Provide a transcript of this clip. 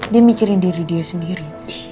dia mikirin diri dia sendiri